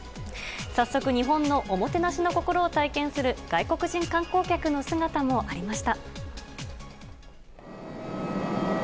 早速日本のおもてなしの心を体験する外国人観光客の姿もありました。